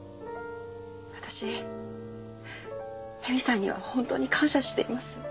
私詠美さんには本当に感謝しています。